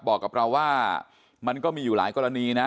บอกกับเราว่ามันก็มีอยู่หลายกรณีนะ